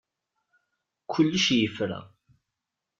Kullec yefra.